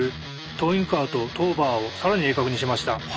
トーイングカーとトーバーを更に鋭角にしました。